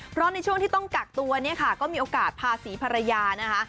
เพราะในช่วงที่ต้องกักตัวเนี่ยค่ะก็มีโอกาสพาศรีภรรยานะคะ